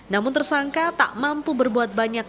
namun tersangka tak mampu berbuat banyak